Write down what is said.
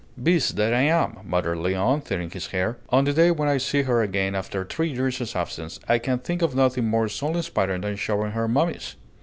"Beast that I am!" muttered Léon, tearing his hair. "On the day when I see her again after three years' absence, I can think of nothing more soul inspiring than showing her mummies!"